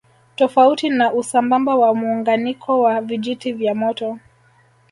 Tofauti na usambamba wa muunganiko wa vijiti vya moto